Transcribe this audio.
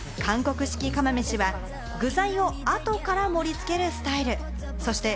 韓国式釜飯は具材を後から盛り付けるスタイル。